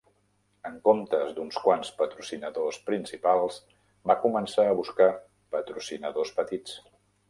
En comptes d'uns quants patrocinadors principals, va començar a buscar patrocinadors petits.